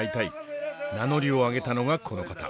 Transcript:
名乗りを上げたのがこの方。